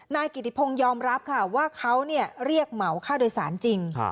นายกิติพงศ์ยอมรับค่ะว่าเขาเรียกเหมาค่าโดยสารจริง